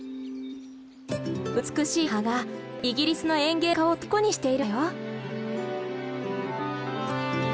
美しい葉がイギリスの園芸家を虜にしているんだよ。